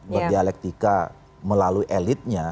berdialektika melalui elitnya